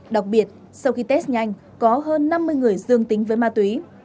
đặc biệt sau khi test nhanh có hơn năm mươi người dương tính với ma túy